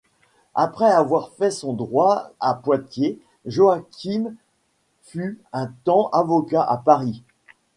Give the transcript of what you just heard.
Après avoir fait son droit à Poitiers, Joachim fut un temps avocat à Paris.